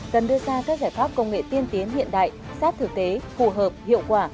cần đưa ra các giải pháp công nghệ tiên tiến hiện đại sát thực tế phù hợp hiệu quả